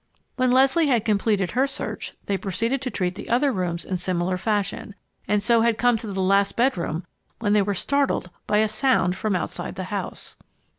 When Leslie had completed her search, they proceeded to treat the other rooms in similar fashion, and so had come to the last bedroom when they were startled by a sound from outside the house.